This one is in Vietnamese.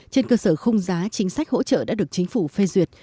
trên cơ sở khung giá chính sách hỗ trợ đã được chính phủ phê duyệt